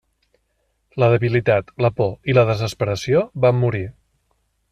La debilitat, la por i la desesperació van morir.